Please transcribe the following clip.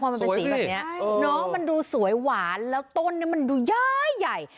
มันเป็นสีแบบนี้น้องมันดูสวยหวานแล้วต้นนี้มันดูย้ายใหญ่